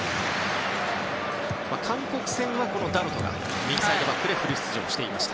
韓国戦はダロトが右サイドバックでフル出場していました。